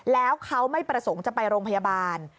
แล้วเขาไม่ประสงค์จะไปโรงพยาบาล